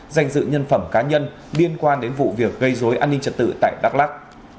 danh dự nhân phẩm cá nhân liên quan đến vụ việc gây dối an ninh trật tự tại đắk lắc